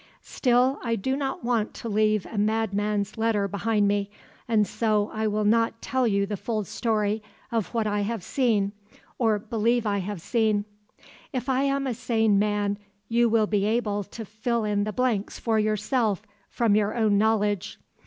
"Still, I do not want to leave a madman's letter behind me, and so I will not tell you the full story of what I have seen, or believe I have seen. If I am a sane man you will be able to fill in the blanks for yourself from your own knowledge.